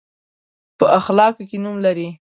په اخلاقو کې نوم لري.